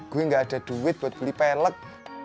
gue gak ada duit buat beli pelek